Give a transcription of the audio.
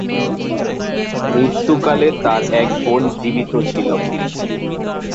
মৃত্যুকালে তার এক বোন জীবিত ছিল।